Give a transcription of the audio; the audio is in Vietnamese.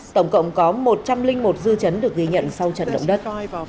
tổng cộng có một trăm linh một dư chấn được ghi nhận sau trận động đất